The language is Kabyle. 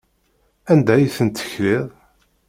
Anda ay tent-tekliḍ?